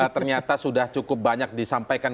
ternyata sudah cukup banyak disampaikan